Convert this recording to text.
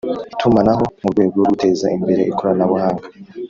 itumanaho mu rwego rwo guteza imbere ikoranabuhanga